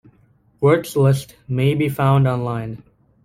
Works lists may be found online.